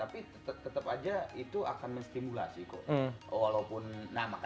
tapi tetap aja itu akan menstimulasi kok